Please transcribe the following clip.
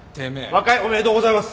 和解おめでとうございます。